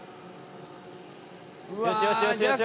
「よしよしよしよし」